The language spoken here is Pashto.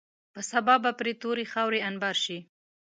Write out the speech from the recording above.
په سبا به پرې تورې خاورې انبار شي.